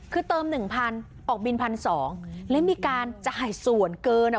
คือเติม๑๐๐ออกบิน๑๒๐๐และมีการจ่ายส่วนเกิน